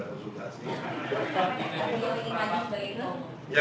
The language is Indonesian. kalau lagi pusing pusing berbanyak pikiran saya tanya saya tanya